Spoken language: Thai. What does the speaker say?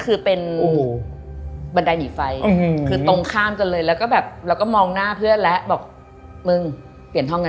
ค่ะดีมากค่ะอีกฟังหนึ่งก็คือเป็น